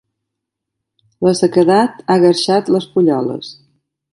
La sequedat ha guerxat les fulloles.